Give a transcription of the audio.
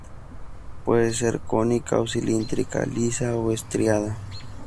Puede ser cónica o cilíndrica, lisa o estriada.